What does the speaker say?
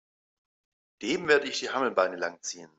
Dem werde ich die Hammelbeine lang ziehen!